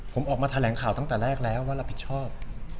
ผมออกมาแถลงข่าวตั้งแต่แรกแล้วว่ารับผิดชอบ